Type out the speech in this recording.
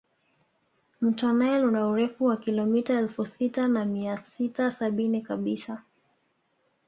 Mto nile una urefu wa kilomita elfu sita na mia sita sabini kabisa